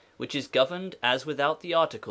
which is governed as without the article, i.